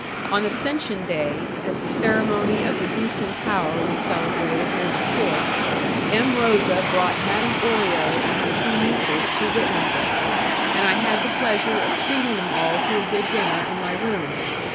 On Ascension Day, as the ceremony of the Bucentaur was celebrated near the fort, M. Rosa brought Madame Orio and her two nieces to witness it, and I had the pleasure of treating them all to a good dinner in my room.